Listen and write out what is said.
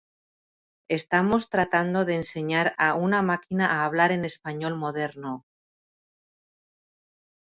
estamos tratando de enseñar a una máquina a hablar en español moderno